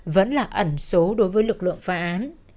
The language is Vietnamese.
vẫn là ẩn số đối với lực lượng phá án